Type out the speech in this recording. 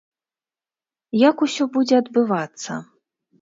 Як усё будзе адбывацца?